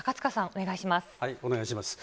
お願いします。